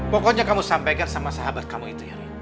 pokoknya kamu sampaikan sama sahabat kamu itu ya